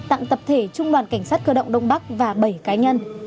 tặng tập thể trung đoàn cảnh sát cơ động đông bắc và bảy cá nhân